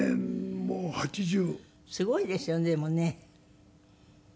すごいですよねでもね。